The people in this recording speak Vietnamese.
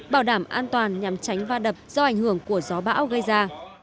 bảo đảm an toàn nhằm tránh va đập do ảnh hưởng của gió bão gây ra